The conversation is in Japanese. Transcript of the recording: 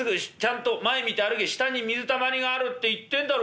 下に水たまりがあるって言ってんだろ。